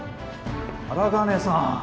荒金さん。